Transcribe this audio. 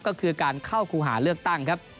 ก็คือการเข้าครูหาเลือกตั้งครับ